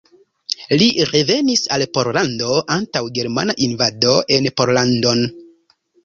Li revenis al Pollando antaŭ germana invado en Pollandon.